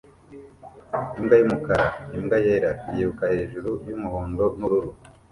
Imbwa yumukara imbwa yera yiruka hejuru yumuhondo nubururu